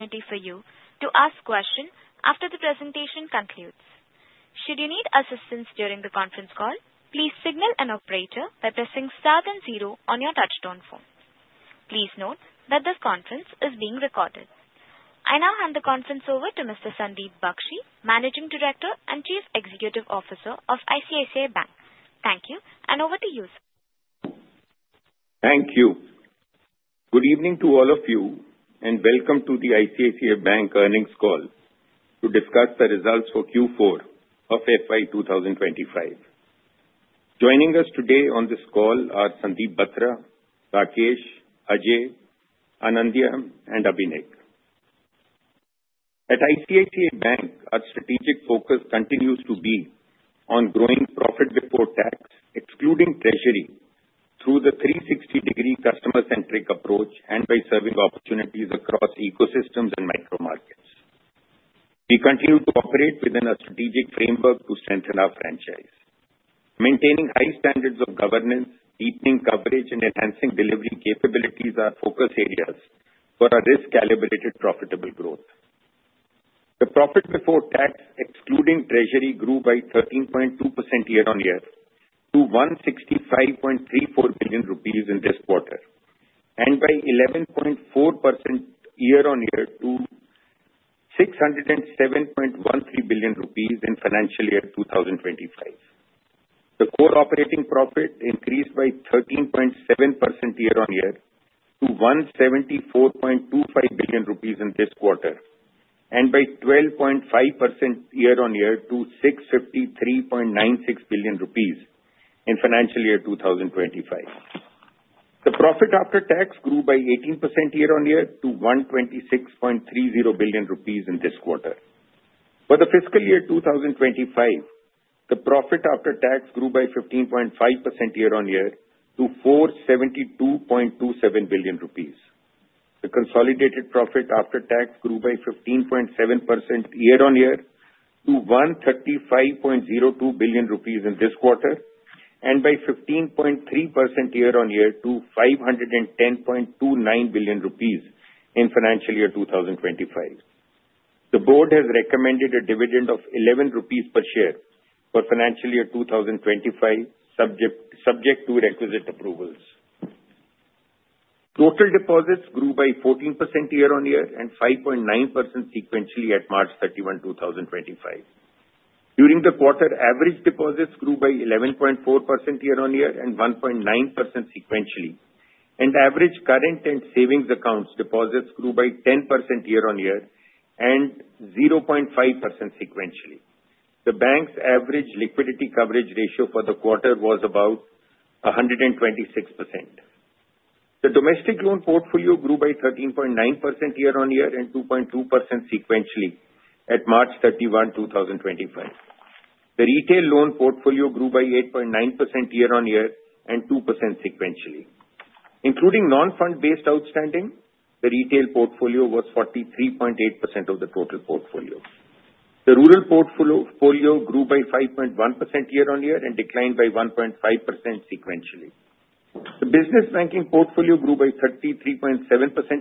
Handy for you to ask questions after the presentation concludes. Should you need assistance during the conference call, please signal an operator by pressing star then zero on your touch-tone phone. Please note that this conference is being recorded. I now hand the conference over to Mr. Sandeep Bakhshi, Managing Director and Chief Executive Officer of ICICI Bank. Thank you, and over to you. Thank you. Good evening to all of you, and welcome to the ICICI Bank earnings call to discuss the results for Q4 of FY 2025. Joining us today on this call are Sandeep Batra, Rakesh, Ajay, Anindya, and Abhinek. At ICICI Bank, our strategic focus continues to be on growing profit before tax, excluding treasury, through the 360-degree customer-centric approach and by serving opportunities across ecosystems and micro-markets. We continue to operate within a strategic framework to strengthen our franchise. Maintaining high standards of governance, deepening coverage, and enhancing delivery capabilities are focus areas for our risk-calibrated profitable growth. The profit before tax, excluding treasury, grew by 13.2% year-on-year to 165.34 billion rupees in this quarter, and by 11.4% year-on-year to 607.13 billion rupees in financial year 2025. The core operating profit increased by 13.7% year-on-year to 174.25 billion rupees in this quarter, and by 12.5% year-on-year to 653.96 billion rupees in financial year 2025. The profit after tax grew by 18% year-on-year to 126.30 billion rupees in this quarter. For the fiscal year 2025, the profit after tax grew by 15.5% year-on-year to 472.27 billion rupees. The consolidated profit after tax grew by 15.7% year-on-year to 135.02 billion rupees in this quarter, and by 15.3% year-on-year to 510.29 billion rupees in financial year 2025. The board has recommended a dividend of 11 rupees per share for financial year 2025, subject to requisite approvals. Total deposits grew by 14% year-on-year and 5.9% sequentially at March 31, 2025. During the quarter, average deposits grew by 11.4% year-on-year and 1.9% sequentially, and average current and savings accounts deposits grew by 10% year-on-year and 0.5% sequentially. The bank's average liquidity coverage ratio for the quarter was about 126%. The domestic loan portfolio grew by 13.9% year-on-year and 2.2% sequentially at March 31, 2025. The retail loan portfolio grew by 8.9% year-on-year and 2% sequentially. Including non-fund-based outstanding, the retail portfolio was 43.8% of the total portfolio. The rural portfolio grew by 5.1% year-on-year and declined by 1.5% sequentially. The business banking portfolio grew by 33.7%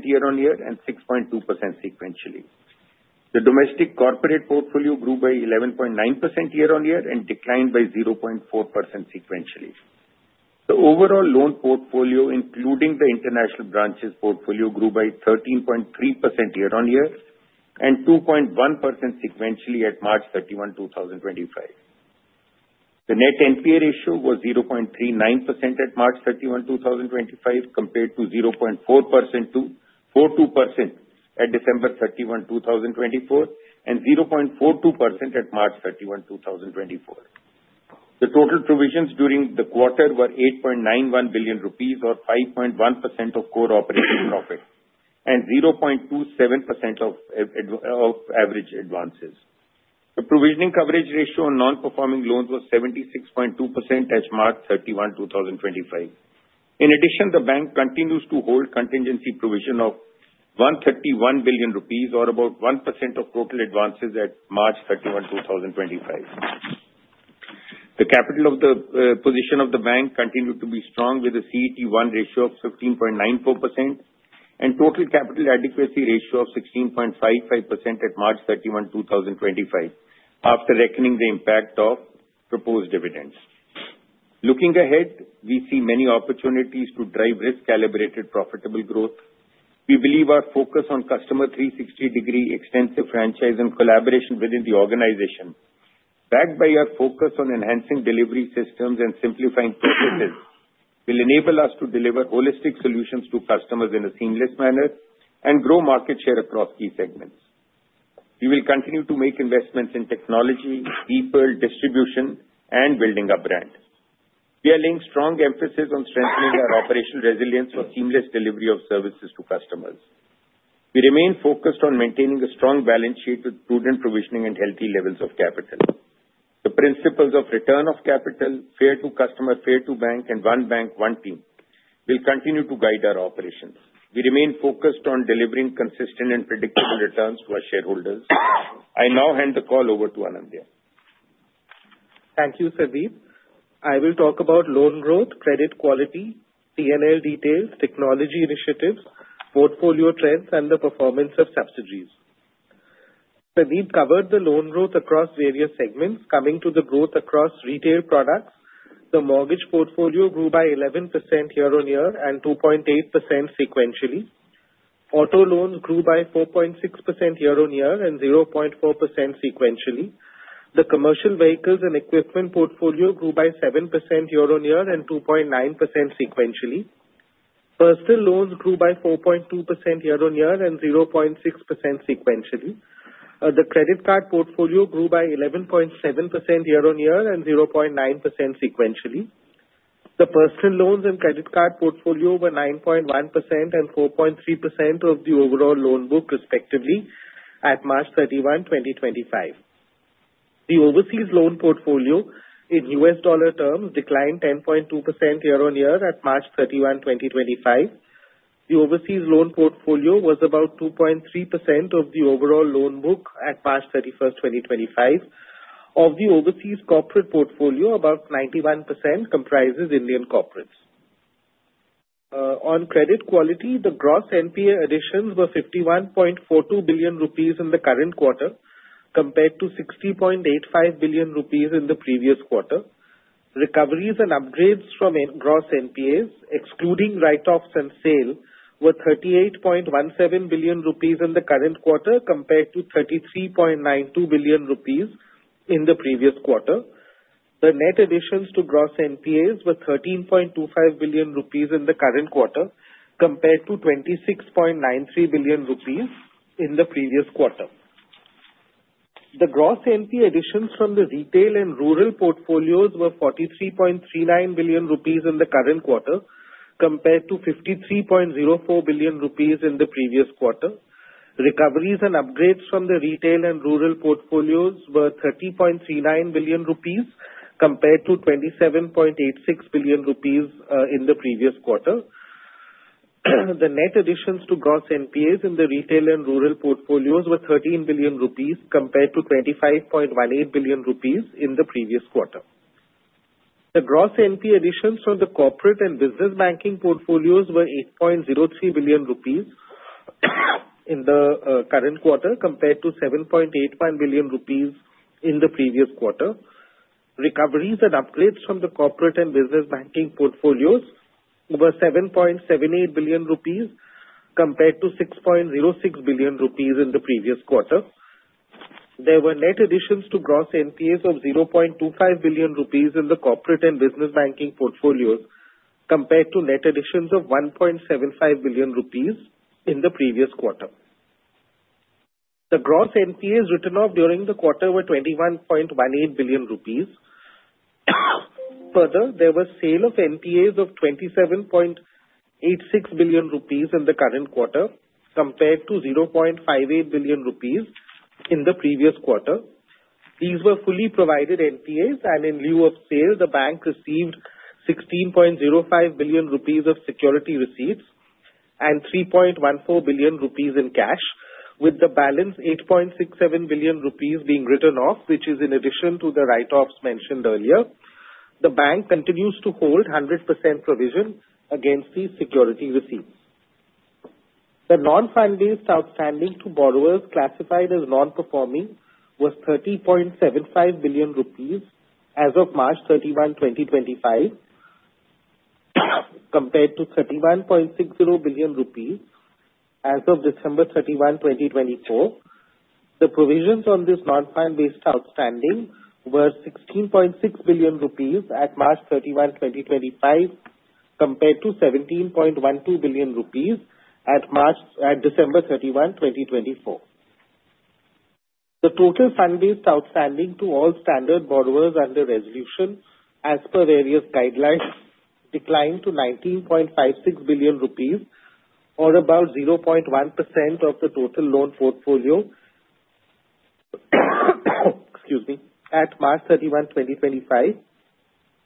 year-on-year and 6.2% sequentially. The domestic corporate portfolio grew by 11.9% year-on-year and declined by 0.4% sequentially. The overall loan portfolio, including the international branches portfolio, grew by 13.3% year-on-year and 2.1% sequentially at March 31, 2025. The net NPA ratio was 0.39% at March 31, 2025, compared to 0.4% at December 31, 2024, and 0.42% at March 31, 2024. The total provisions during the quarter were 8.91 billion rupees, or 5.1% of core operating profit and 0.27% of average advances. The provisioning coverage ratio on non-performing loans was 76.2% at March 31, 2025. In addition, the bank continues to hold contingency provision of INR 131 billion, or about 1% of total advances at March 31, 2025. The capital position of the bank continued to be strong with a CET1 ratio of 15.94% and total capital adequacy ratio of 16.55% at March 31, 2025, after reckoning the impact of proposed dividends. Looking ahead, we see many opportunities to drive risk-calibrated profitable growth. We believe our focus on customer 360-degree extensive franchise and collaboration within the organization, backed by our focus on enhancing delivery systems and simplifying processes, will enable us to deliver holistic solutions to customers in a seamless manner and grow market share across key segments. We will continue to make investments in technology, people, distribution, and building a brand. We are laying strong emphasis on strengthening our operational resilience for seamless delivery of services to customers. We remain focused on maintaining a strong balance sheet with prudent provisioning and healthy levels of capital. The principles of return of capital, fair to customer, fair to bank, and one bank, one team will continue to guide our operations. We remain focused on delivering consistent and predictable returns to our shareholders. I now hand the call over to Anindya. Thank you, Sandeep. I will talk about loan growth, credit quality, P&L details, technology initiatives, portfolio trends, and the performance of subsidiaries. Sandeep covered the loan growth across various segments. Coming to the growth across retail products, the mortgage portfolio grew by 11% year-on-year and 2.8% sequentially. Auto loans grew by 4.6% year-on-year and 0.4% sequentially. The commercial vehicles and equipment portfolio grew by 7% year-on-year and 2.9% sequentially. Personal loans grew by 4.2% year-on-year and 0.6% sequentially. The credit card portfolio grew by 11.7% year-on-year and 0.9% sequentially. The personal loans and credit card portfolio were 9.1% and 4.3% of the overall loan book, respectively, at March 31, 2025. The overseas loan portfolio, in US dollar terms, declined 10.2% year-on-year at March 31, 2025. The overseas loan portfolio was about 2.3% of the overall loan book at March 31, 2025. Of the overseas corporate portfolio, about 91% comprises Indian corporates. On credit quality, the gross NPA additions were 51.42 billion rupees in the current quarter, compared to 60.85 billion rupees in the previous quarter. Recoveries and upgrades from gross NPAs, excluding write-offs and sale, were 38.17 billion rupees in the current quarter, compared to 33.92 billion rupees in the previous quarter. The net additions to gross NPAs were 13.25 billion rupees in the current quarter, compared to 26.93 billion rupees in the previous quarter. The gross NPA additions from the retail and rural portfolios were 43.39 billion rupees in the current quarter, compared to 53.04 billion rupees in the previous quarter. Recoveries and upgrades from the retail and rural portfolios were 30.39 billion rupees, compared to 27.86 billion rupees in the previous quarter. The net additions to gross NPAs in the retail and rural portfolios were 13 billion rupees, compared to 25.18 billion rupees in the previous quarter. The gross NPA additions from the corporate and business banking portfolios were INR 8.03 billion in the current quarter, compared to INR 7.81 billion in the previous quarter. Recoveries and upgrades from the corporate and business banking portfolios were 7.78 billion rupees, compared to 6.06 billion rupees in the previous quarter. There were net additions to gross NPAs of 0.25 billion rupees in the corporate and business banking portfolios, compared to net additions of 1.75 billion rupees in the previous quarter. The gross NPAs written off during the quarter were 21.18 billion rupees. Further, there was sale of NPAs of 27.86 billion rupees in the current quarter, compared to 0.58 billion rupees in the previous quarter. These were fully provided NPAs, and in lieu of sale, the bank received 16.05 billion rupees of security receipts and 3.14 billion rupees in cash, with the balance 8.67 billion rupees being written off, which is in addition to the write-offs mentioned earlier. The bank continues to hold 100% provision against these security receipts. The non-fund-based outstanding to borrowers classified as non-performing was 30.75 billion rupees as of March 31, 2025, compared to 31.60 billion rupees as of December 31, 2024. The provisions on this non-fund-based outstanding were 16.6 billion rupees at March 31, 2025, compared to 17.12 billion rupees at December 31, 2024. The total fund-based outstanding to all standard borrowers under resolution as per various guidelines declined to 19.56 billion rupees, or about 0.1% of the total loan portfolio at March 31, 2025,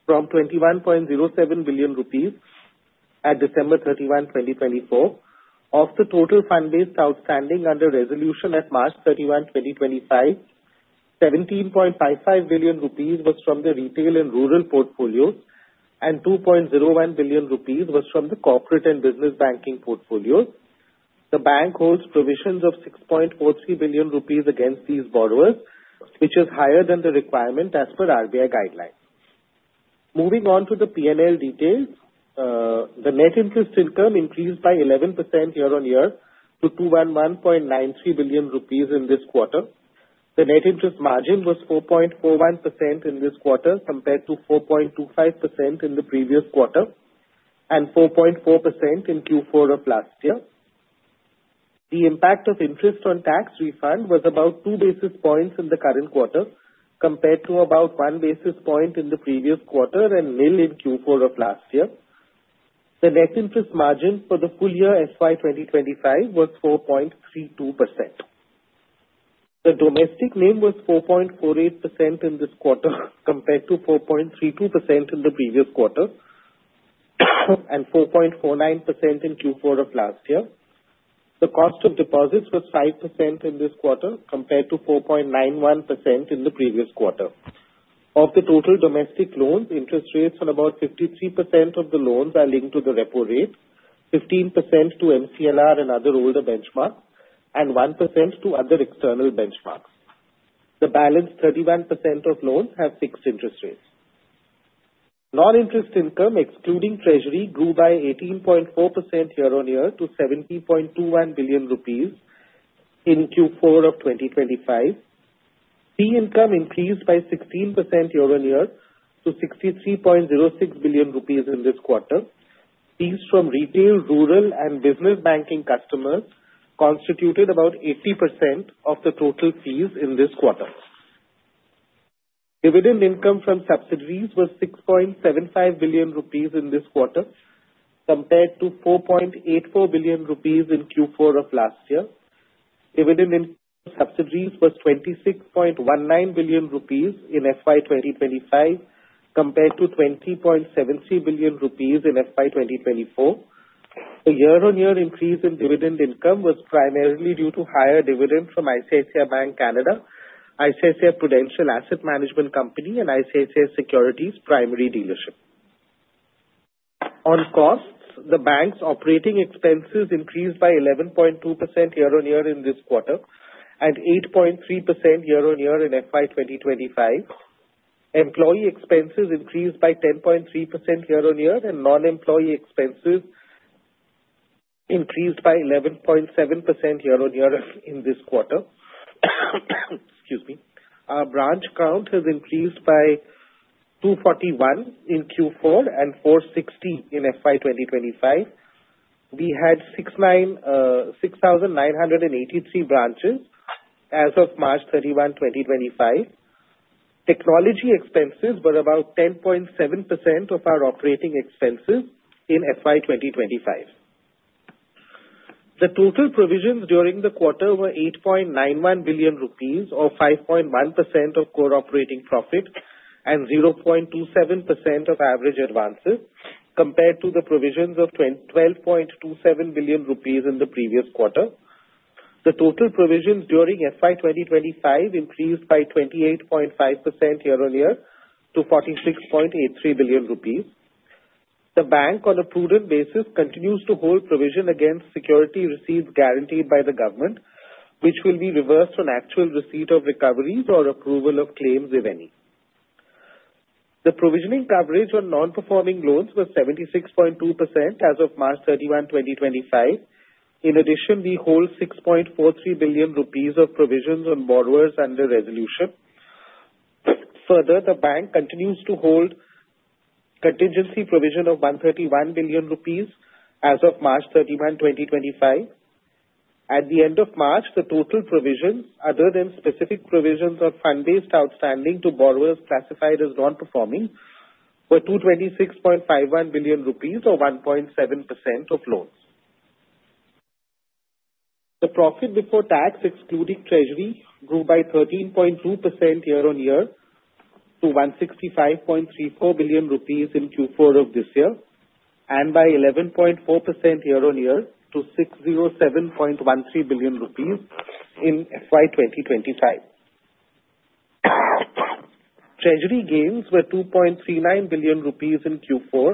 from 21.07 billion rupees at December 31, 2024. Of the total fund-based outstanding under resolution at March 31, 2025, 17.55 billion rupees was from the retail and rural portfolios, and 2.01 billion rupees was from the corporate and business banking portfolios. The bank holds provisions of 6.43 billion rupees against these borrowers, which is higher than the requirement as per RBI guidelines. Moving on to the P&L details, the net interest income increased by 11% year-on-year to 211.93 billion rupees in this quarter. The net interest margin was 4.41% in this quarter, compared to 4.25% in the previous quarter and 4.4% in Q4 of last year. The impact of interest on tax refund was about two basis points in the current quarter, compared to about one basis point in the previous quarter and nil in Q4 of last year. The net interest margin for the full year FY 2025 was 4.32%. The domestic NIM was 4.48% in this quarter, compared to 4.32% in the previous quarter and 4.49% in Q4 of last year. The cost of deposits was 5% in this quarter, compared to 4.91% in the previous quarter. Of the total domestic loans, interest rates on about 53% of the loans are linked to the repo rate, 15% to MCLR and other older benchmarks, and 1% to other external benchmarks. The balance 31% of loans have fixed interest rates. Non-interest income, excluding treasury, grew by 18.4% year-on-year to 70.21 billion rupees in Q4 of 2025. Fee income increased by 16% year-on-year to 63.06 billion rupees in this quarter. Fees from retail, rural, and business banking customers constituted about 80% of the total fees in this quarter. Dividend income from subsidiaries was 6.75 billion rupees in this quarter, compared to 4.84 billion rupees in Q4 of last year. Dividend income from subsidiaries was 26.19 billion rupees in FY 2025, compared to 20.73 billion rupees in FY 2024. The year-on-year increase in dividend income was primarily due to higher dividends from ICICI Bank Canada, ICICI Prudential Asset Management Company, and ICICI Securities Primary Dealership. On costs, the bank's operating expenses increased by 11.2% year-on-year in this quarter and 8.3% year-on-year in FY 2025. Employee expenses increased by 10.3% year-on-year, and non-employee expenses increased by 11.7% year-on-year in this quarter. Branch count has increased by 241 in Q4 and 460 in FY 2025. We had 6,983 branches as of March 31, 2025. Technology expenses were about 10.7% of our operating expenses in FY 2025. The total provisions during the quarter were 8.91 billion rupees, or 5.1% of core operating profit and 0.27% of average advances, compared to the provisions of 12.27 billion rupees in the previous quarter. The total provisions during FY 2025 increased by 28.5% year-on-year to 46.83 billion rupees. The bank, on a prudent basis, continues to hold provision against security receipts guaranteed by the government, which will be reversed on actual receipt of recoveries or approval of claims, if any. The provisioning coverage on non-performing loans was 76.2% as of March 31, 2025. In addition, we hold 6.43 billion rupees of provisions on borrowers under resolution. Further, the bank continues to hold contingency provision of 131 billion rupees as of March 31, 2025. At the end of March, the total provisions, other than specific provisions on fund-based outstanding to borrowers classified as non-performing, were INR 226.51 billion, or 1.7% of loans. The profit before tax, excluding treasury, grew by 13.2% year-on-year to 165.34 billion rupees in Q4 of this year, and by 11.4% year-on-year to 607.13 billion rupees in FY 2025. Treasury gains were 2.39 billion rupees in Q4,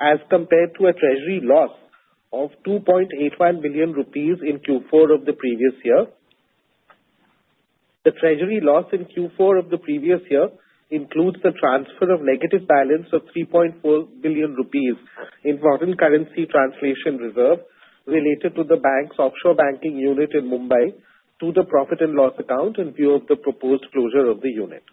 as compared to a treasury loss of 2.81 billion rupees in Q4 of the previous year. The treasury loss in Q4 of the previous year includes the transfer of negative balance of 3.4 billion rupees in foreign currency translation reserve related to the bank's offshore banking unit in Mumbai to the profit and loss account in view of the proposed closure of the unit.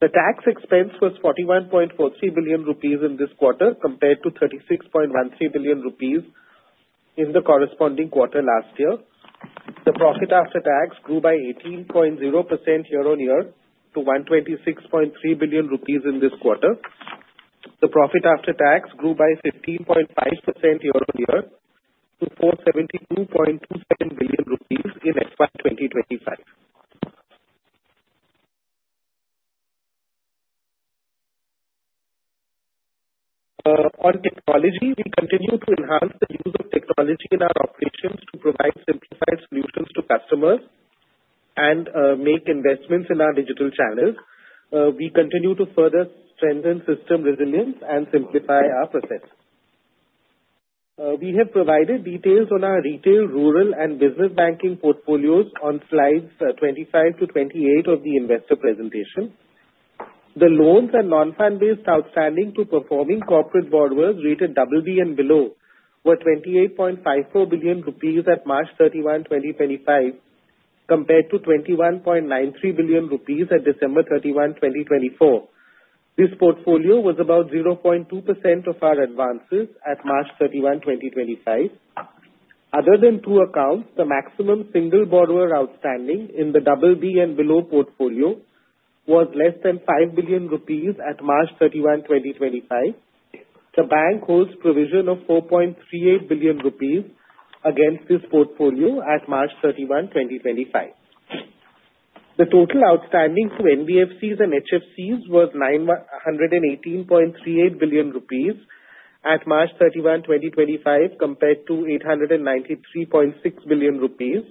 The tax expense was 41.43 billion rupees in this quarter, compared to 36.13 billion rupees in the corresponding quarter last year. The profit after tax grew by 18.0% year-on-year to 126.3 billion rupees in this quarter. The profit after tax grew by 15.5% year-on-year to 472.27 billion rupees in FY 2025. On technology, we continue to enhance the use of technology in our operations to provide simplified solutions to customers and make investments in our digital channels. We continue to further strengthen system resilience and simplify our process. We have provided details on our retail, rural, and business banking portfolios on slides 25 to 28 of the investor presentation. The loans and non-fund-based outstanding to performing corporate borrowers rated BB and below were 28.54 billion rupees at March 31, 2025, compared to 21.93 billion rupees at December 31, 2024. This portfolio was about 0.2% of our advances at March 31, 2025. Other than two accounts, the maximum single borrower outstanding in the BB and below portfolio was less than 5 billion rupees at March 31, 2025. The bank holds provision of 4.38 billion rupees against this portfolio at March 31, 2025. The total outstanding to NBFCs and HFCs was 118.38 billion rupees at March 31, 2025, compared to 893.6 billion rupees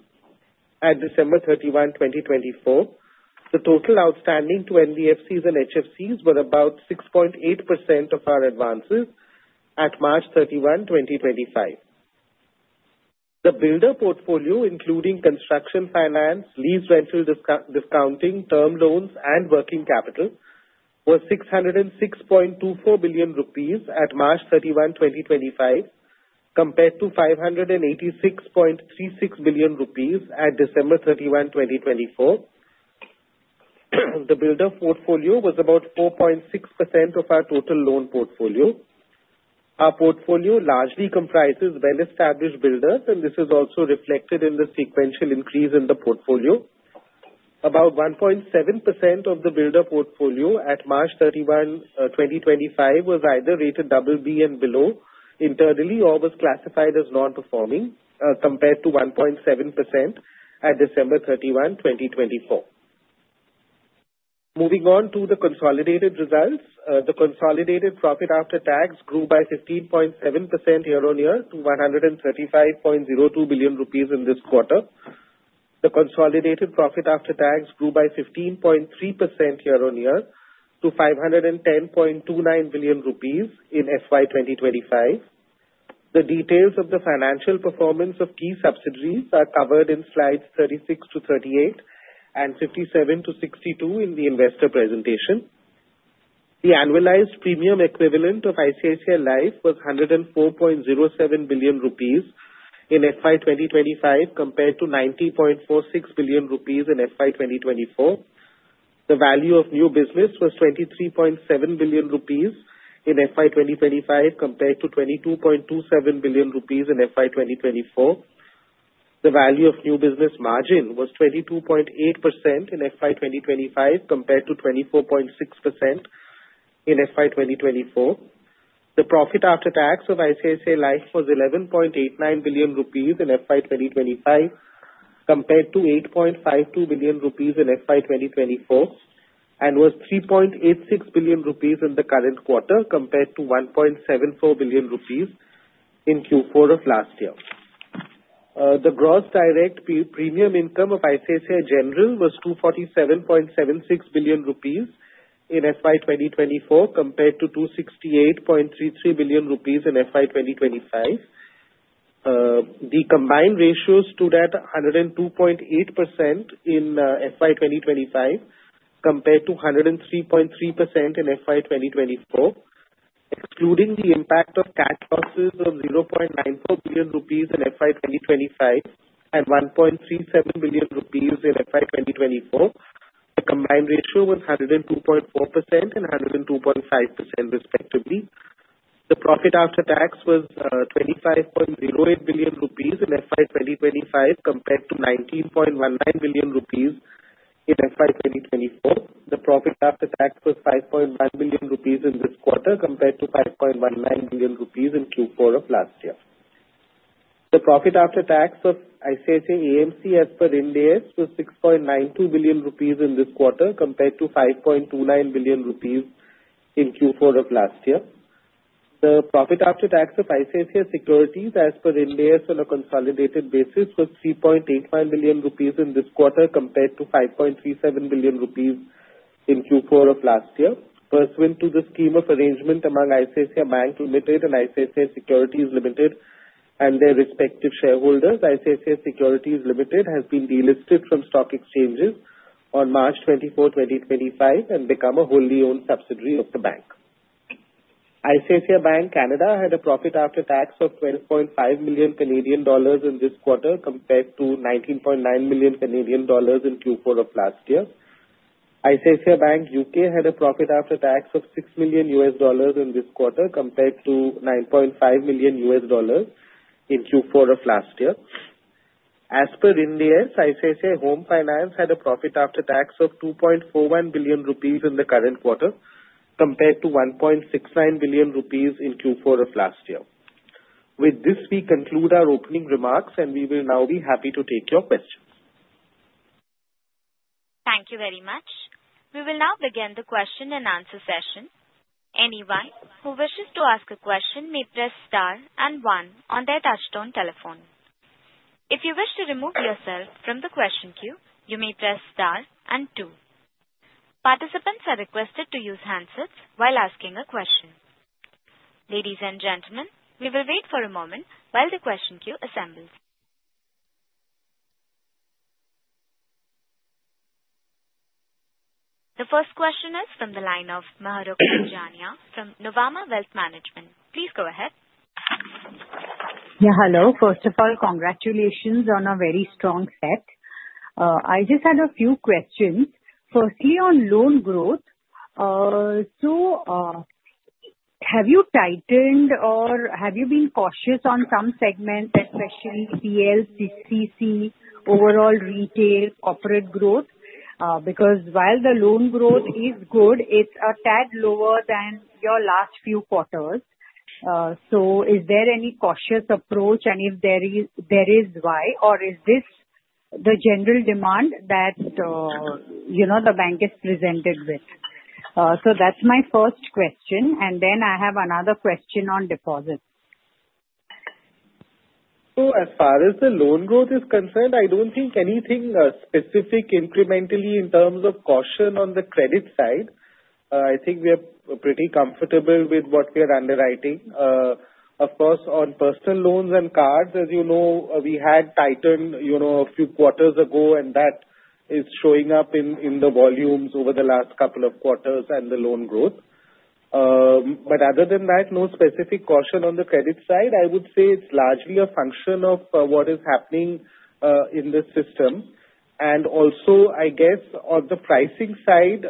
at December 31, 2024. The total outstanding to NBFCs and HFCs was about 6.8% of our advances at March 31, 2025. The builder portfolio, including construction finance, lease rental discounting, term loans, and working capital, was 606.24 billion rupees at March 31, 2025, compared to 586.36 billion rupees at December 31, 2024. The builder portfolio was about 4.6% of our total loan portfolio. Our portfolio largely comprises well-established builders, and this is also reflected in the sequential increase in the portfolio. About 1.7% of the builder portfolio at March 31, 2025, was either rated BB and below internally or was classified as non-performing, compared to 1.7% at December 31, 2024. Moving on to the consolidated results, the consolidated profit after tax grew by 15.7% year-on-year to 135.02 billion rupees in this quarter. The consolidated profit after tax grew by 15.3% year-on-year to 510.29 billion rupees in FY 2025. The details of the financial performance of key subsidiaries are covered in slides 36-38 and 57-62 in the investor presentation. The annualized premium equivalent of ICICI Life was 104.07 billion rupees in FY 2025, compared to 90.46 billion rupees in FY 2024. The value of new business was 23.7 billion rupees in FY 2025, compared to 22.27 billion rupees in FY 2024. The value of new business margin was 22.8% in FY 2025, compared to 24.6% in FY 2024. The profit after tax of ICICI Life was 11.89 billion rupees in FY 2025, compared to 8.52 billion rupees in FY 2024, and was 3.86 billion rupees in the current quarter, compared to 1.74 billion rupees in Q4 of last year. The gross direct premium income of ICICI General was INR 247.76 billion in FY 2024, compared to INR 268.33 billion in FY 2025. The combined ratios stood at 102.8% in FY 2025, compared to 103.3% in FY 2024. Excluding the impact of cash losses of 0.94 billion rupees in FY 2025 and 1.37 billion rupees in FY 2024, the combined ratio was 102.4% and 102.5%, respectively. The profit after tax was 25.08 billion rupees in FY 2025, compared to 19.19 billion rupees in FY 2024. The profit after tax was 5.1 billion rupees in this quarter, compared to 5.19 billion rupees in Q4 of last year. The profit after tax of ICICI AMC as per Ind AS was 6.92 billion rupees in this quarter, compared to 5.29 billion rupees in Q4 of last year. The profit after tax of ICICI Securities as per Ind AS on a consolidated basis was INR 3.81 billion in this quarter, compared to INR 5.37 billion in Q4 of last year. Pursuant to the scheme of arrangement among ICICI Bank and ICICI Securities and their respective shareholders, ICICI Securities has been delisted from stock exchanges on March 24, 2025, and become a wholly owned subsidiary of the bank. ICICI Bank Canada had a profit after tax of 12.5 million Canadian dollars in this quarter, compared to 19.9 million Canadian dollars in Q4 of last year. ICICI Bank U.K. had a profit after tax of $6 million in this quarter, compared to $9.5 million in Q4 of last year. As per Ind AS, ICICI Home Finance had a profit after tax of 2.41 billion rupees in the current quarter, compared to 1.69 billion rupees in Q4 of last year. With this, we conclude our opening remarks, and we will now be happy to take your questions. Thank you very much. We will now begin the question and answer session. Anyone who wishes to ask a question may press star and one on their touch-tone telephone. If you wish to remove yourself from the question queue, you may press star and two. Participants are requested to use handsets while asking a question. Ladies and gentlemen, we will wait for a moment while the question queue assembles. The first question is from the line of Mahrukh Adajania from Nuvama Wealth Management. Please go ahead. Yeah, hello. First of all, congratulations on a very strong set. I just had a few questions. Firstly, on loan growth, have you tightened or have you been cautious on some segments, especially PL, CCC, overall retail, corporate growth? Because while the loan growth is good, it's a tad lower than your last few quarters. Is there any cautious approach, and if there is, why? Is this the general demand that the bank is presented with? That is my first question. I have another question on deposits. As far as the loan growth is concerned, I do not think anything specific incrementally in terms of caution on the credit side. I think we are pretty comfortable with what we are underwriting. Of course, on personal loans and cards, as you know, we had tightened a few quarters ago, and that is showing up in the volumes over the last couple of quarters and the loan growth. Other than that, no specific caution on the credit side. I would say it is largely a function of what is happening in the system. Also, I guess, on the pricing side,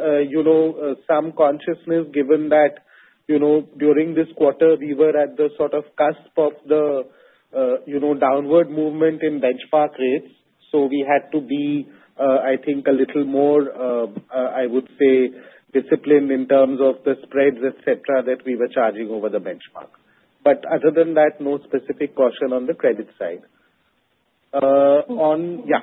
some consciousness, given that during this quarter, we were at the sort of cusp of the downward movement in benchmark rates. We had to be, I think, a little more, I would say, disciplined in terms of the spreads, etc., that we were charging over the benchmark. Other than that, no specific caution on the credit side. Yeah.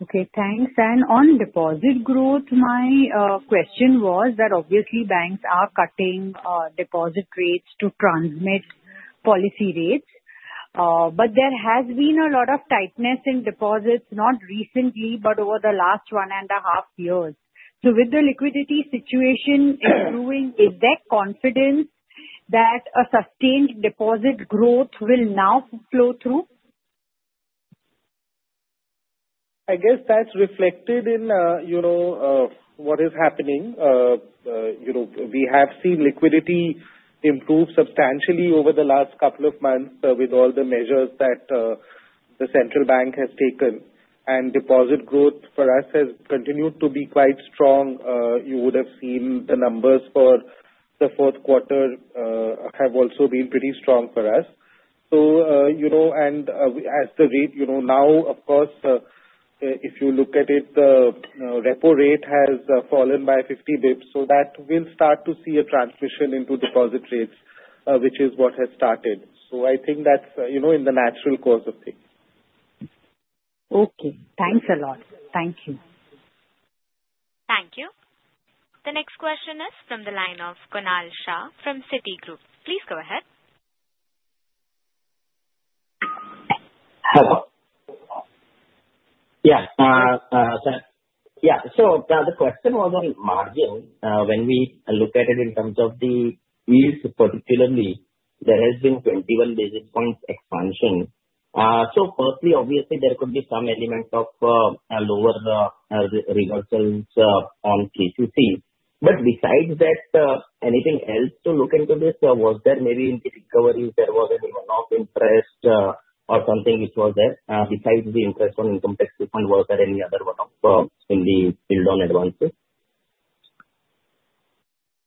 Okay, thanks. On deposit growth, my question was that obviously banks are cutting deposit rates to transmit policy rates. There has been a lot of tightness in deposits, not recently, but over the last one and a half years. With the liquidity situation improving, is there confidence that a sustained deposit growth will now flow through? I guess that is reflected in what is happening. We have seen liquidity improve substantially over the last couple of months with all the measures that the central bank has taken. Deposit growth for us has continued to be quite strong. You would have seen the numbers for the fourth quarter have also been pretty strong for us. As the rate now, of course, if you look at it, the repo rate has fallen by 50 basis points. That will start to see a transmission into deposit rates, which is what has started. I think that is in the natural course of things. Okay, thanks a lot. Thank you. Thank you. The next question is from the line of Kunal Shah from Citigroup. Please go ahead. Hello. Yeah. Yeah. The question was on margin. When we look at it in terms of the yields particularly, there has been 21 basis points expansion. Firstly, obviously, there could be some element of lower reversals on KCC. Besides that, anything else to look into this? Was there maybe in the recovery there was any one-off interest or something which was there? Besides the interest on income tax refund, was there any other one-off in the build-on advances?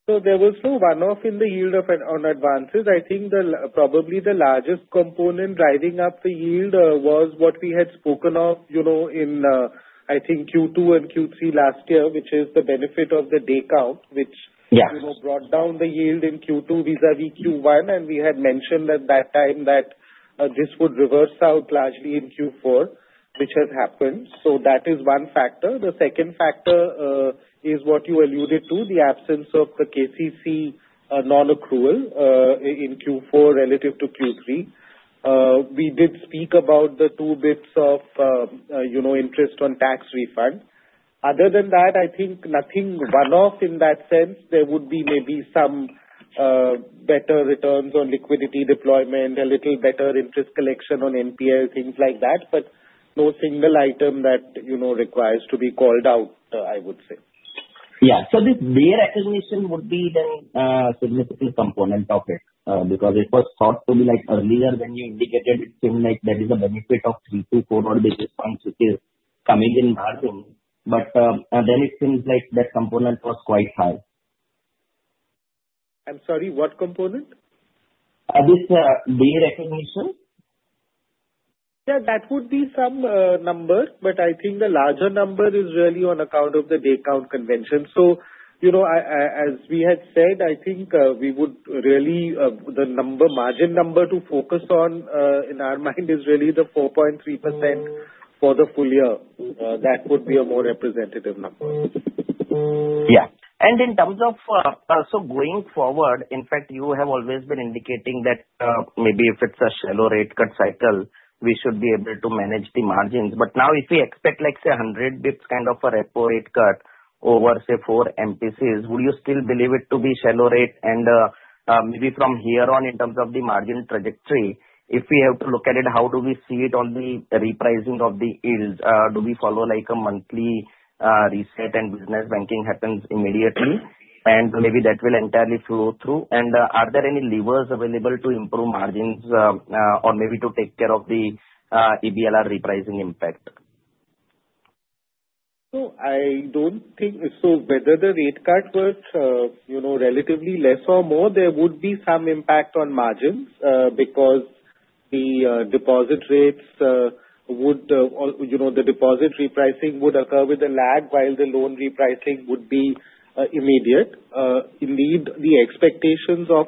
There was no one-off in the yield on advances. I think probably the largest component driving up the yield was what we had spoken of in, I think, Q2 and Q3 last year, which is the benefit of the day count, which brought down the yield in Q2 vis-à-vis Q1. I had mentioned at that time that this would reverse out largely in Q4, which has happened. That is one factor. The second factor is what you alluded to, the absence of the KCC non-accrual in Q4 relative to Q3. We did speak about the two basis points of interest on tax refund. Other than that, I think nothing one-off in that sense. There would be maybe some better returns on liquidity deployment, a little better interest collection on NPL, things like that. No single item that requires to be called out, I would say. Yeah. This fair recognition would be then a significant component of it because it was thought to be earlier when you indicated it seemed like there is a benefit of three to four more basis points, which is coming in margin. It seems like that component was quite high. I'm sorry, what component? This fair recognition. Yeah, that would be some number, but I think the larger number is really on account of the day count convention. As we had said, I think we would really the margin number to focus on in our mind is really the 4.3% for the full year. That would be a more representative number. Yeah. In terms of also going forward, in fact, you have always been indicating that maybe if it is a shallow rate cut cycle, we should be able to manage the margins. If we expect, let's say, 100 basis points kind of a repo rate cut over, say, four MPCs, would you still believe it to be a shallow rate? Maybe from here on, in terms of the margin trajectory, if we have to look at it, how do we see it on the repricing of the yields? Do we follow a monthly reset and business banking happens immediately? Maybe that will entirely flow through. Are there any levers available to improve margins or maybe to take care of the EBLR repricing impact? I don't think so whether the rate cut was relatively less or more, there would be some impact on margins because the deposit rates would, the deposit repricing would occur with a lag while the loan repricing would be immediate. Indeed, the expectations of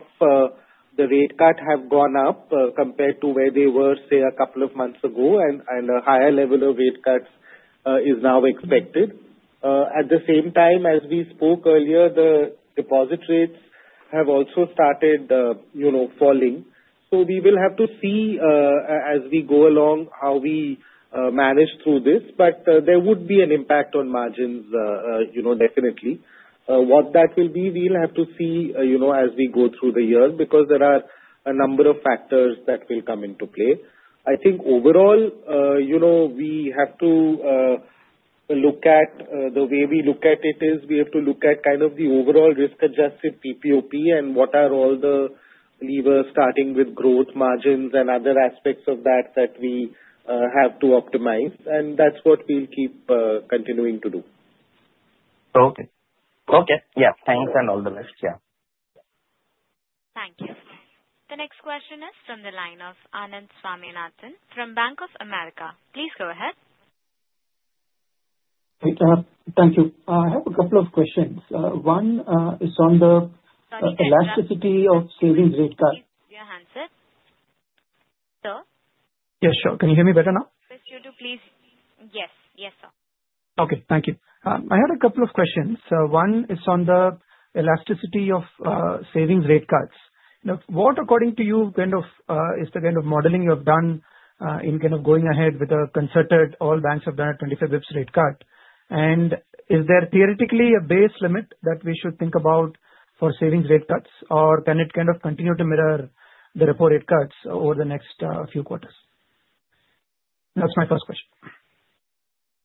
the rate cut have gone up compared to where they were, say, a couple of months ago, and a higher level of rate cuts is now expected. At the same time, as we spoke earlier, the deposit rates have also started falling. We will have to see as we go along how we manage through this. There would be an impact on margins, definitely. What that will be, we'll have to see as we go through the year because there are a number of factors that will come into play. I think overall, we have to look at the way we look at it is we have to look at kind of the overall risk-adjusted PPOP and what are all the levers starting with growth, margins, and other aspects of that that we have to optimize. That is what we will keep continuing to do. Okay. Okay. Yeah. Thanks and all the best. Yeah. Thank you. The next question is from the line of Anand Swaminathan from Bank of America. Please go ahead. Thank you. I have a couple of questions. One is on the elasticity of savings rate cut. Please answer. Sir? Yes, sure. Can you hear me better now? Yes, you do. Please. Yes. Yes, sir. Okay. Thank you. I had a couple of questions. One is on the elasticity of savings rate cuts. What, according to you, is the kind of modeling you have done in going ahead with the concerted all banks have done a 25 basis points rate cut? Is there theoretically a base limit that we should think about for savings rate cuts, or can it continue to mirror the repo rate cuts over the next few quarters? That's my first question.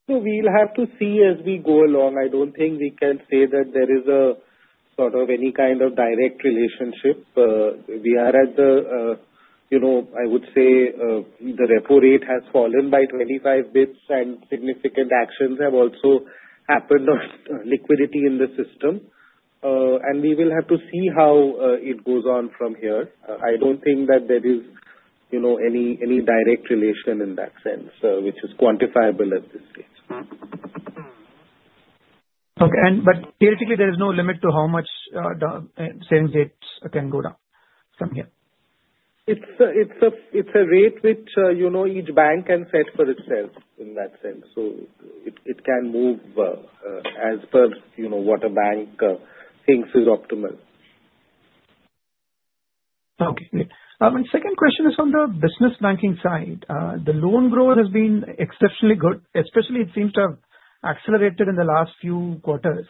We will have to see as we go along. I don't think we can say that there is any kind of direct relationship. We are at the, I would say, the repo rate has fallen by 25 basis points, and significant actions have also happened on liquidity in the system. We will have to see how it goes on from here. I don't think that there is any direct relation in that sense, which is quantifiable at this stage. Okay. Theoretically, there is no limit to how much savings rates can go down from here? It's a rate which each bank can set for itself in that sense. It can move as per what a bank thinks is optimal. Okay. Second question is on the business banking side. The loan growth has been exceptionally good, especially it seems to have accelerated in the last few quarters.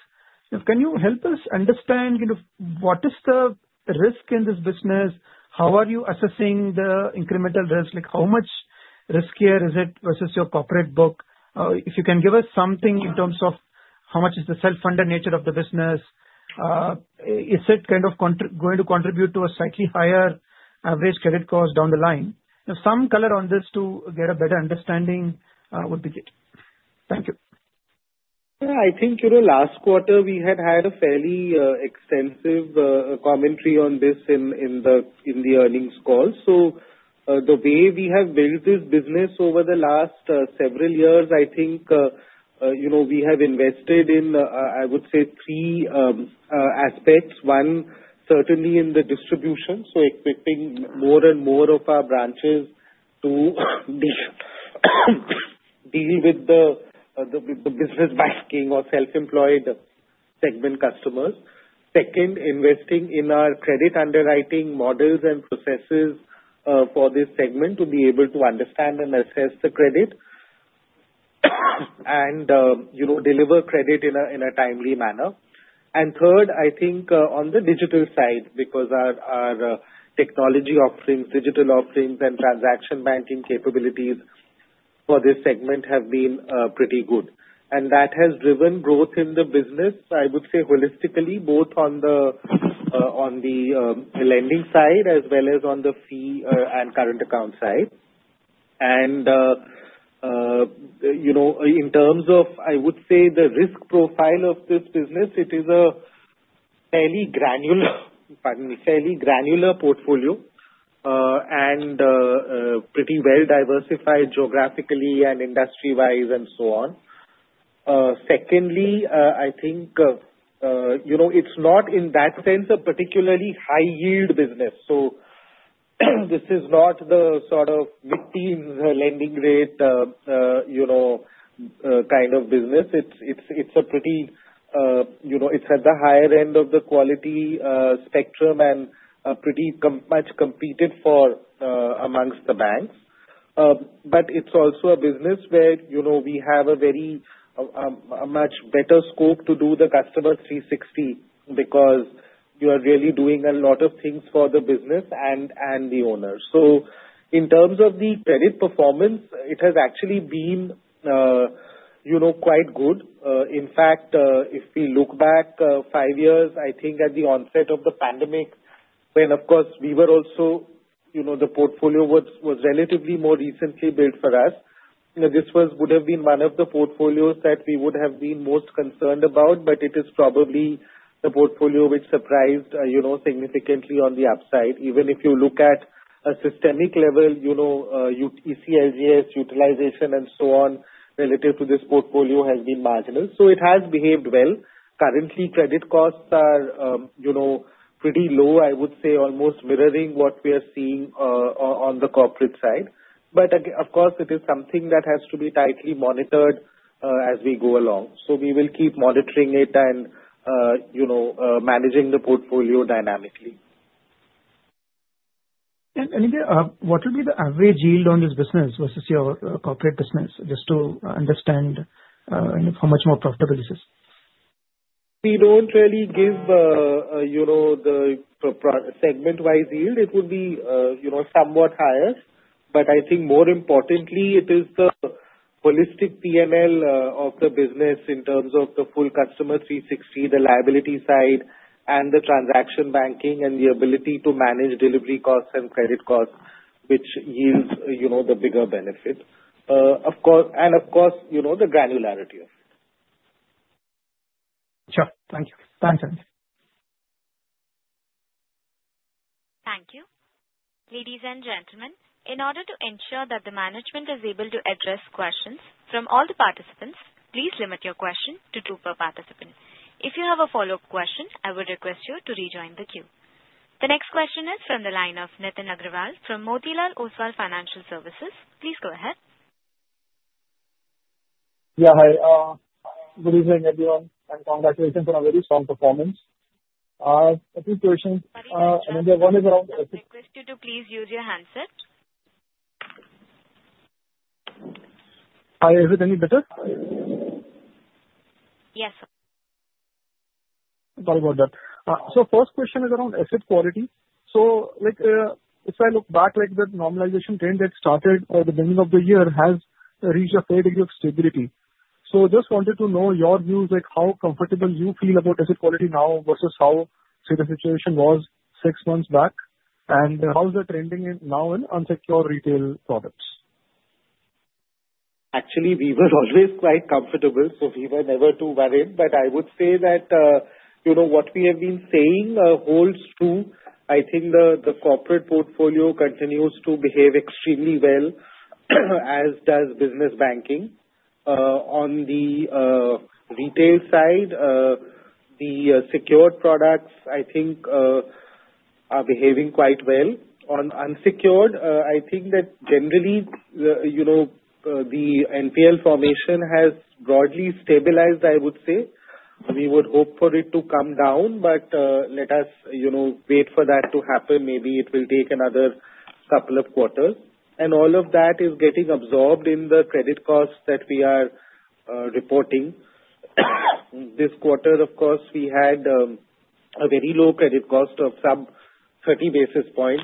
Can you help us understand what is the risk in this business? How are you assessing the incremental risk? How much riskier is it versus your corporate book? If you can give us something in terms of how much is the self-funded nature of the business, is it kind of going to contribute to a slightly higher average credit cost down the line? Some color on this to get a better understanding would be good. Thank you. Yeah. I think last quarter, we had had a fairly extensive commentary on this in the earnings call. The way we have built this business over the last several years, I think we have invested in, I would say, three aspects. One, certainly in the distribution. Expecting more and more of our branches to deal with the business banking or self-employed segment customers. Second, investing in our credit underwriting models and processes for this segment to be able to understand and assess the credit and deliver credit in a timely manner. Third, I think on the digital side because our technology offerings, digital offerings, and transaction banking capabilities for this segment have been pretty good. That has driven growth in the business, I would say, holistically, both on the lending side as well as on the fee and current account side. In terms of, I would say, the risk profile of this business, it is a fairly granular portfolio and pretty well diversified geographically and industry-wise and so on. Secondly, I think it's not in that sense a particularly high-yield business. This is not the sort of mid-teens lending rate kind of business. It's at the higher end of the quality spectrum and pretty much competed for amongst the banks. It is also a business where we have a very much better scope to do the customer 360 because you are really doing a lot of things for the business and the owners. In terms of the credit performance, it has actually been quite good. In fact, if we look back five years, I think at the onset of the pandemic, when, of course, we were also the portfolio was relatively more recently built for us. This would have been one of the portfolios that we would have been most concerned about, but it is probably the portfolio which surprised significantly on the upside. Even if you look at a systemic level, ECLGS utilization and so on relative to this portfolio has been marginal. It has behaved well. Currently, credit costs are pretty low, I would say, almost mirroring what we are seeing on the corporate side. Of course, it is something that has to be tightly monitored as we go along. We will keep monitoring it and managing the portfolio dynamically. What would be the average yield on this business versus your corporate business, just to understand how much more profitable this is? We do not really give the segment-wise yield. It would be somewhat higher. I think more importantly, it is the holistic PML of the business in terms of the full customer 360, the liability side, and the transaction banking and the ability to manage delivery costs and credit costs, which yields the bigger benefit. Of course, the granularity of it. Sure. Thank you. Thanks, Anand. Thank you. Ladies and gentlemen, in order to ensure that the management is able to address questions from all the participants, please limit your question to two per participant. If you have a follow-up question, I would request you to rejoin the queue. The next question is from the line of Nitin Aggarwal from Motilal Oswal Financial Services. Please go ahead. Yeah. Hi. Good evening, everyone, and congratulations on a very strong performance. A few questions. Anindya, one is around assets. I request you to please use your handset. Hi. Is it any better? Yes, sir. Sorry about that. First question is around asset quality. If I look back, the normalization trend that started at the beginning of the year has reached a fair degree of stability. I just wanted to know your views, how comfortable you feel about asset quality now versus how the situation was six months back, and how is the trending now in unsecured retail products? Actually, we were always quite comfortable, so we were never too worried. I would say that what we have been saying holds true. I think the corporate portfolio continues to behave extremely well, as does business banking. On the retail side, the secured products, I think, are behaving quite well. On unsecured, I think that generally the NPL formation has broadly stabilized, I would say. We would hope for it to come down, but let us wait for that to happen. Maybe it will take another couple of quarters. All of that is getting absorbed in the credit costs that we are reporting. This quarter, of course, we had a very low credit cost of some 30 basis points.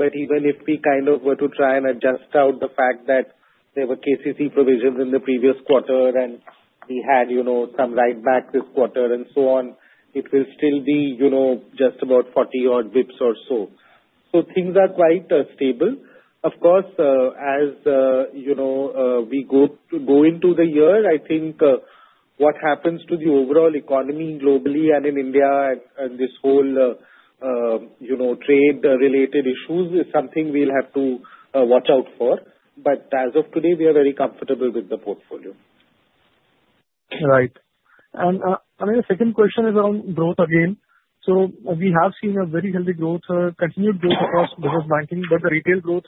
Even if we kind of were to try and adjust out the fact that there were KCC provisions in the previous quarter and we had some right back this quarter and so on, it will still be just about 40 odd basis points or so. Things are quite stable. Of course, as we go into the year, I think what happens to the overall economy globally and in India and this whole trade-related issues is something we'll have to watch out for. As of today, we are very comfortable with the portfolio. Right. I mean, the second question is around growth again. We have seen a very healthy growth, continued growth across business banking, but the retail growth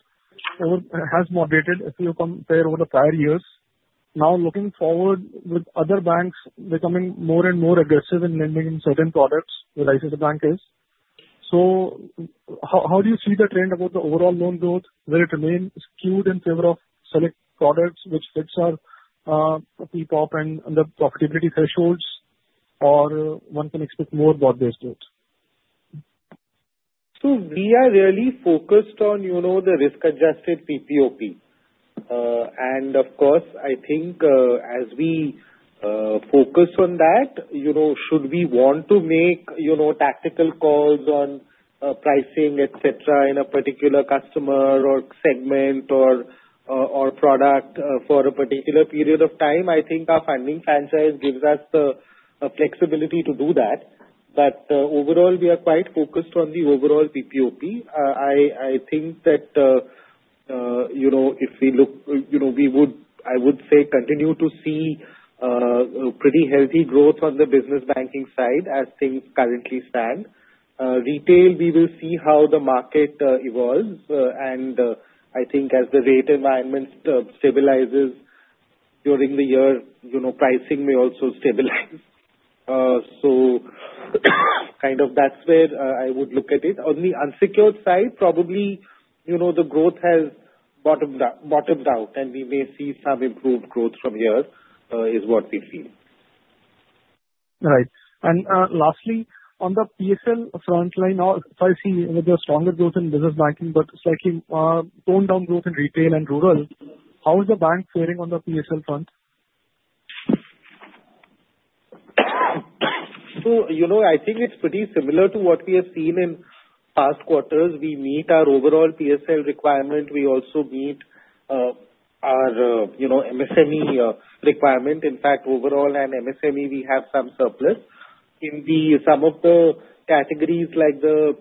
has moderated if you compare over the prior years. Now, looking forward with other banks becoming more and more aggressive in lending in certain products, like Citigroup is. How do you see the trend about the overall loan growth? Will it remain skewed in favor of select products which fits our PPOP and the profitability thresholds, or one can expect more broad-based growth? We are really focused on the risk-adjusted PPOP. Of course, I think as we focus on that, should we want to make tactical calls on pricing, etc., in a particular customer or segment or product for a particular period of time? I think our funding franchise gives us the flexibility to do that. Overall, we are quite focused on the overall PPOP. I think that if we look, we would, I would say, continue to see pretty healthy growth on the business banking side as things currently stand. Retail, we will see how the market evolves. I think as the rate environment stabilizes during the year, pricing may also stabilize. That is where I would look at it. On the unsecured side, probably the growth has bottomed out, and we may see some improved growth from here is what we've seen. Right. Lastly, on the PSL frontline, I see a stronger growth in business banking, but slightly toned-down growth in retail and rural. How is the bank faring on the PSL front? I think it's pretty similar to what we have seen in past quarters. We meet our overall PSL requirement. We also meet our MSME requirement. In fact, overall and MSME, we have some surplus. In some of the categories like the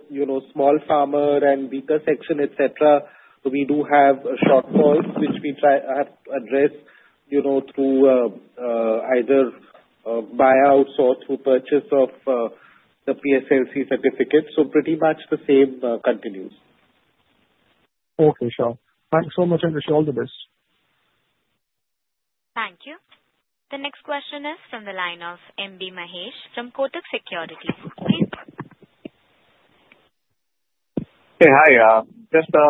small farmer and weaker section, etc., we do have shortfalls which we have to address through either buyouts or through purchase of the PSLC certificates. Pretty much the same continues. Okay. Sure. Thanks so much and we shall do this. Thank you. The next question is from the line of M.B. Mahesh from Kotak Securities. Please. Hey, hi. Just a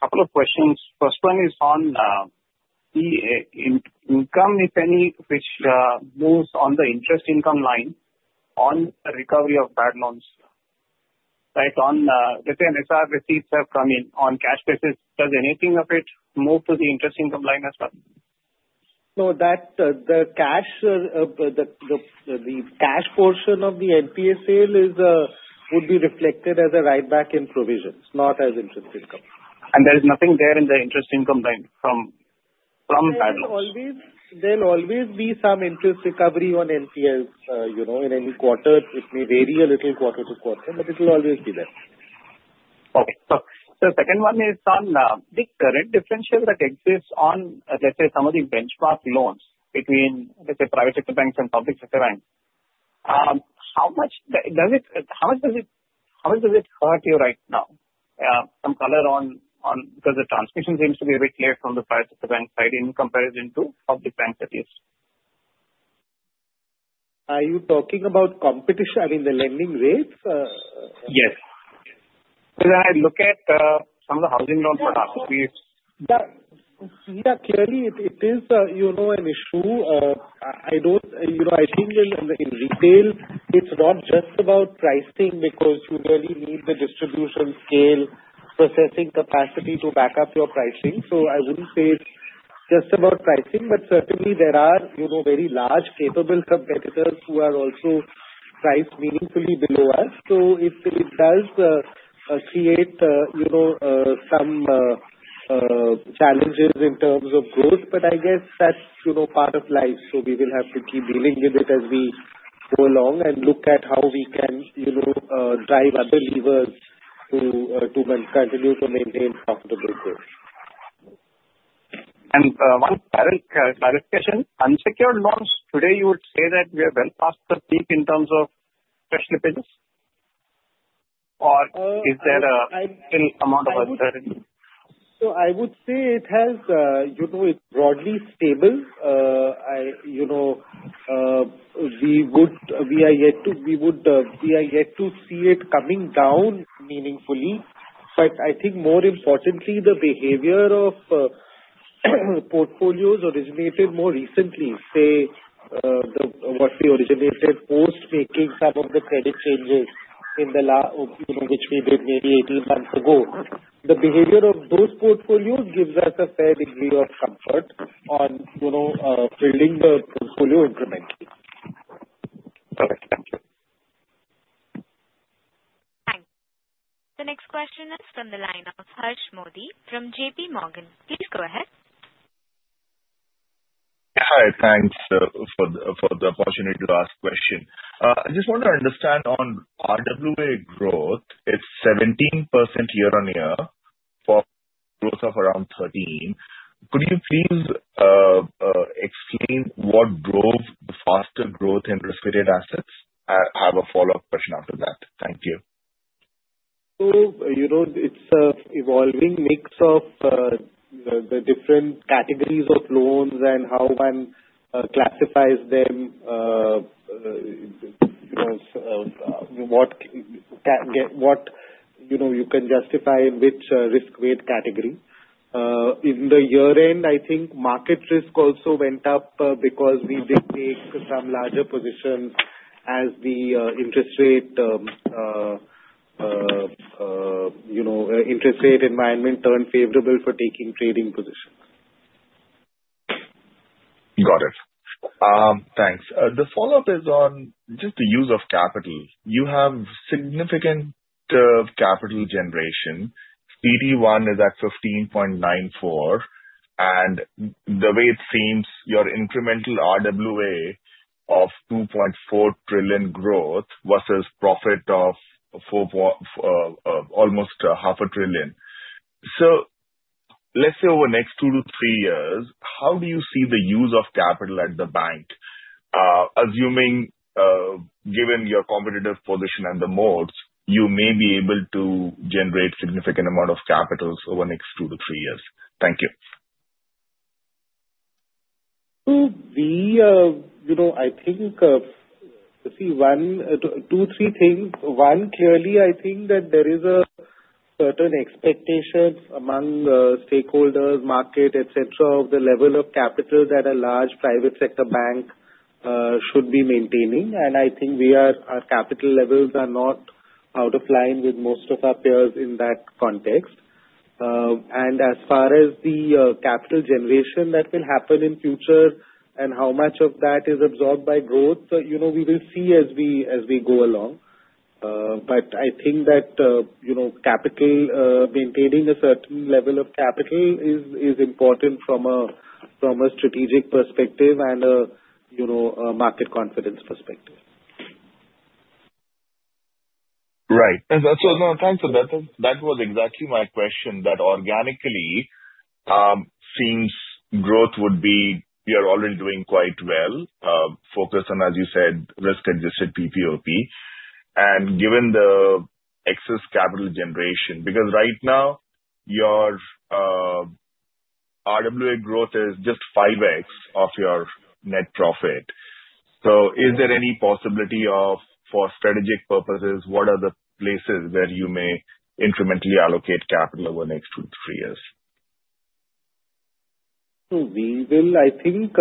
couple of questions. First one is on the income, if any, which moves on the interest income line on recovery of bad loans. Right? Let's say an SR receipts have come in on cash basis. Does anything of it move to the interest income line as well? No, the cash portion of the NPA would be reflected as a write-back in provisions, not as interest income. And there is nothing there in the interest income line from bad loans? There will always be some interest recovery on NPAs in any quarter. It may vary a little quarter to quarter, but it will always be there. Okay. The second one is on the current differential that exists on, let's say, some of the benchmark loans between, let's say, private sector banks and public sector banks. How much does it—how much does it hurt you right now? Some color on because the transmission seems to be a bit clear from the private sector bank side in comparison to public bank, that is. Are you talking about competition, I mean, the lending rates? Yes. Because I look at some of the housing loan philosophy. Yeah. Clearly, it is an issue. I think in retail, it's not just about pricing because you really need the distribution scale, processing capacity to back up your pricing. I wouldn't say it's just about pricing, but certainly there are very large capable competitors who are also priced meaningfully below us. It does create some challenges in terms of growth, but I guess that's part of life. We will have to keep dealing with it as we go along and look at how we can drive other levers to continue to maintain profitable growth. And one clarification. Unsecured loans, today, you would say that we are well past the peak in terms of special appeals? Or is there a still amount of uncertainty? I would say it has, it's broadly stable. We are yet to, we are yet to see it coming down meaningfully. I think more importantly, the behavior of portfolios originated more recently, say, what we originated post-making some of the credit changes in the last, which we did maybe 18 months ago. The behavior of those portfolios gives us a fair degree of comfort on building the portfolio incrementally. Perfect. Thank you. Thanks. The next question is from the line of Harsh Modi from JPMorgan. Please go ahead. Hi. Thanks for the opportunity to ask a question. I just want to understand on RWA growth. It's 17% year-on-year for growth of around 13. Could you please explain what drove the faster growth in risk-weighted assets? I have a follow-up question after that. Thank you. It is an evolving mix of the different categories of loans and how one classifies them, what you can justify in which risk-weight category. At the year-end, I think market risk also went up because we did take some larger positions as the interest rate environment turned favorable for taking trading positions. Got it. Thanks. The follow-up is on just the use of capital. You have significant capital generation. CET1 is at 15.94%. The way it seems, your incremental RWA of 2.4 trillion growth versus profit of almost 500 billion. Let's say over the next two to three years, how do you see the use of capital at the bank, assuming given your competitive position and the modes, you may be able to generate a significant amount of capital over the next two to three years? Thank you. I think, let's see, two, three things. One, clearly, I think that there is a certain expectation among stakeholders, market, etc., of the level of capital that a large private sector bank should be maintaining. I think our capital levels are not out of line with most of our peers in that context. As far as the capital generation that will happen in future and how much of that is absorbed by growth, we will see as we go along. I think that maintaining a certain level of capital is important from a strategic perspective and a market confidence perspective. Right. No, thanks, Anindya. That was exactly my question that organically seems growth would be you're already doing quite well, focused on, as you said, risk-adjusted PPOP. Given the excess capital generation, because right now your RWA growth is just 5x of your net profit. Is there any possibility for strategic purposes? What are the places where you may incrementally allocate capital over the next two to three years? We will, I think,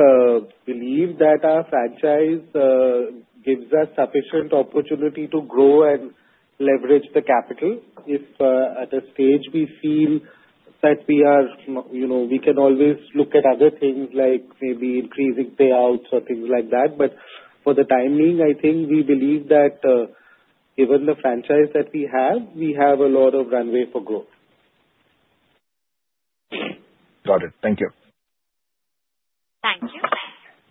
believe that our franchise gives us sufficient opportunity to grow and leverage the capital. If at a stage we feel that we can always look at other things like maybe increasing payouts or things like that. For the time being, I think we believe that given the franchise that we have, we have a lot of runway for growth. Got it. Thank you. Thank you.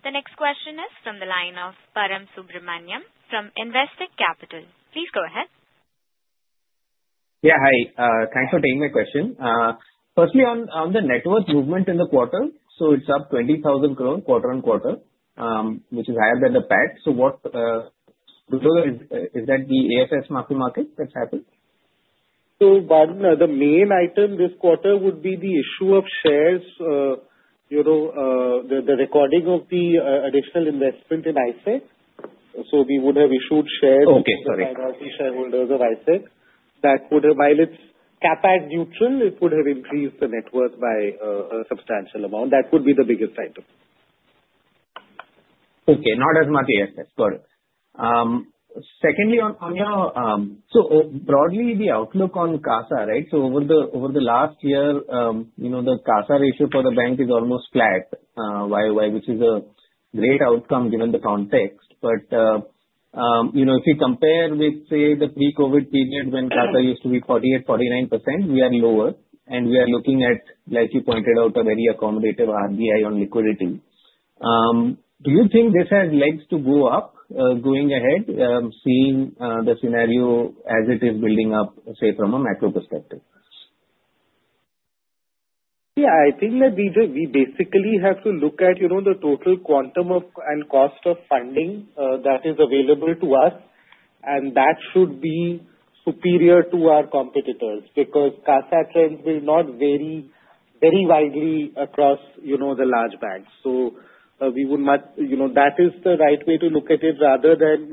The next question is from the line of Param Subramanian from Investec Capital. Please go ahead. Yeah. Hi. Thanks for taking my question. Firstly, on the net worth movement in the quarter, so it's up 20,000 crore quarter on quarter, which is higher than the PAT. Is that the AFS market that's happened? The main item this quarter would be the issue of shares, the recording of the additional investment in ICICI. We would have issued shares to the I-Sec shareholders of ICICI. That would have, while it's capital neutral, increased the net worth by a substantial amount. That would be the biggest item. Okay. Not as much AFS. Got it. Secondly, on your so broadly, the outlook on CASA, right? Over the last year, the CASA ratio for the bank is almost flat, which is a great outcome given the context. If you compare with, say, the pre-COVID period when CASA used to be 48-49%, we are lower. We are looking at, like you pointed out, a very accommodative RBI on liquidity. Do you think this has legs to go up going ahead, seeing the scenario as it is building up, say, from a macro perspective? Yeah. I think that we basically have to look at the total quantum and cost of funding that is available to us. That should be superior to our competitors because CASA trends will not vary very widely across the large banks. We would much that is the right way to look at it rather than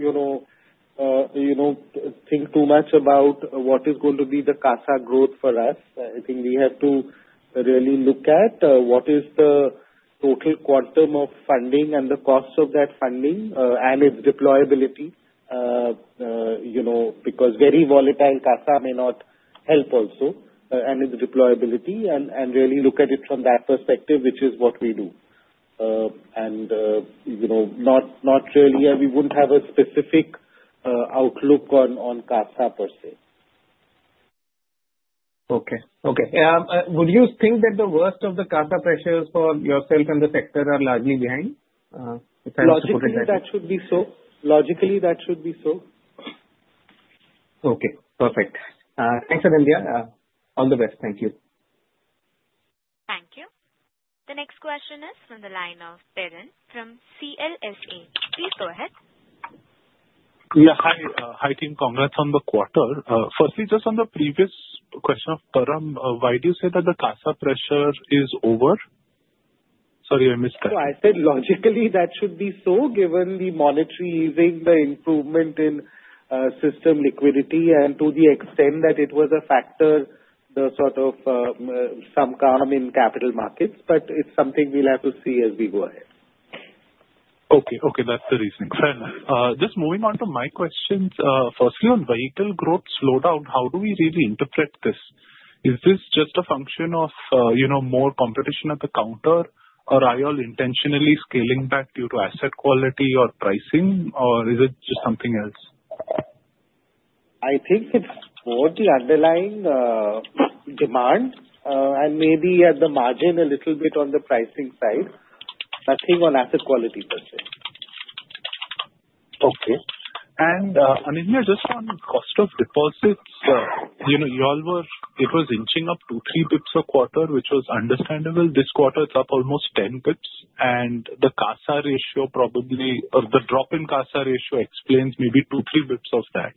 think too much about what is going to be the CASA growth for us. I think we have to really look at what is the total quantum of funding and the cost of that funding and its deployability because very volatile CASA may not help also and its deployability and really look at it from that perspective, which is what we do. Not really, we wouldn't have a specific outlook on CASA per se. Okay. Okay. Would you think that the worst of the CASA pressures for yourself and the sector are largely behind? If I was to put it that way. Logically, that should be so. Logically, that should be so. Okay. Perfect. Thanks, Anindya. All the best. Thank you. Thank you. The next question is from the line of Piran from CLSA. Please go ahead. Yeah. Hi. Hi, team. Congrats on the quarter. Firstly, just on the previous question of Param, why do you say that the CASA pressure is over? Sorry, I mis-. No, I said logically, that should be so given the monetary easing, the improvement in system liquidity, and to the extent that it was a factor, the sort of some calm in capital markets. But it's something we'll have to see as we go ahead. Okay. Okay. That's the reasoning. Fair. Just moving on to my questions. Firstly, on vehicle growth slowdown, how do we really interpret this? Is this just a function of more competition at the counter, or are you all intentionally scaling back due to asset quality or pricing, or is it just something else? I think it's more the underlying demand and maybe at the margin a little bit on the pricing side. Nothing on asset quality per se. Okay. And Anindya, just on cost of deposits, you all were, it was inching up two, three basis points a quarter, which was understandable. This quarter, it is up almost 10 basis points. And the CASA ratio probably or the drop in CASA ratio explains maybe two, three basis points of that.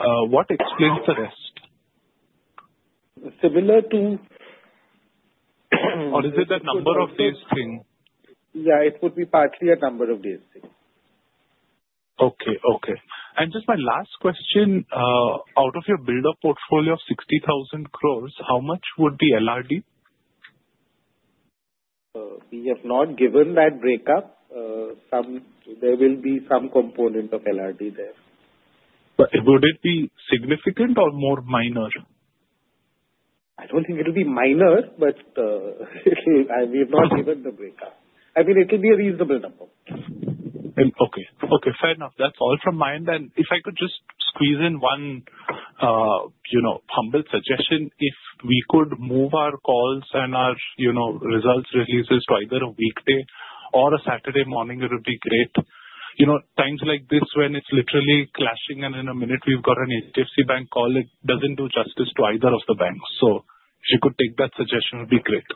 What explains the rest? Similar to. Or is it a number of days thing? Yeah. It would be partly a number of days thing. Okay. Okay. And just my last question. Out of your builder portfolio of 60,000 crore, how much would be LRD? We have not given that breakup. There will be some component of LRD there. But would it be significant or more minor? I do not think it will be minor, but we have not given the breakup. I mean, it will be a reasonable number. Okay. Okay. Fair enough. That's all from my end. If I could just squeeze in one humble suggestion, if we could move our calls and our results releases to either a weekday or a Saturday morning, it would be great. Times like this when it's literally clashing and in a minute we've got an HDFC Bank call, it doesn't do justice to either of the banks. If you could take that suggestion, it would be great.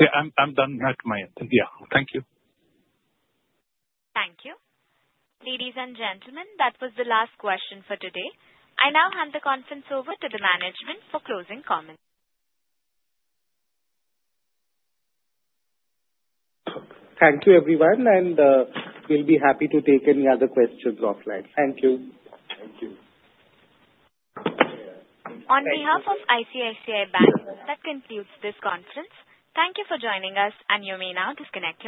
Yeah. I'm done at my end. Yeah. Thank you. Thank you. Ladies and gentlemen, that was the last question for today. I now hand the conference over to the management for closing comments. Thank you, everyone. We'll be happy to take any other questions offline. Thank you. Thank you. On behalf of ICICI Bank, that concludes this conference. Thank you for joining us, and you may now disconnect.